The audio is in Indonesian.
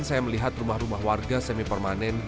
saya melihat rumah rumah warga semi permanen